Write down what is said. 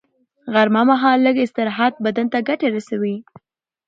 غرمه مهال لږ استراحت بدن ته ګټه رسوي